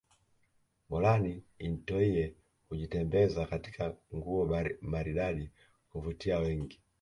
Moran intoyie hujitembeza katika nguo maridadi kuvutia wengi